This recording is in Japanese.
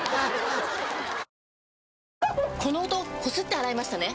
この音こすって洗いましたね？